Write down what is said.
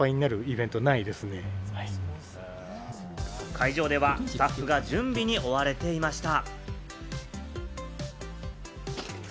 会場ではスタッフが準備に追われていました。